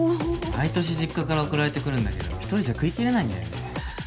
毎年実家から送られてくるんだけど一人じゃ食いきれないんだよね